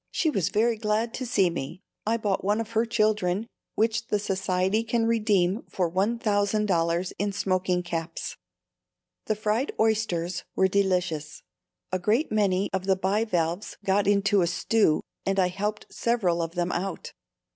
She was very glad to see me. I bought one of her children, which the Society can redeem for $1,000 in smoking caps. The fried oysters were delicious; a great many of the bivalves got into a stew, and I helped several of them out.